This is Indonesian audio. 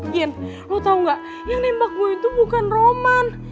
kian lo tau gak yang nembak gue itu bukan roman